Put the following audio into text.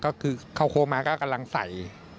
ก็คือเข้าโค้งมาก็กำลังใส่